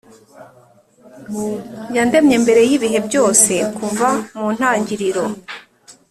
Yandemye mbere y’ibihe byose, kuva mu ntangiriro,